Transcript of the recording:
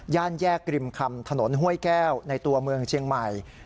แยกริมคำถนนห้วยแก้วในตัวเมืองเชียงใหม่